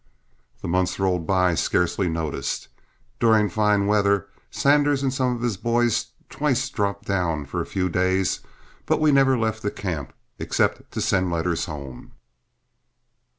The months rolled by scarcely noticed. During fine weather Sanders and some of his boys twice dropped down for a few days, but we never left camp except to send letters home.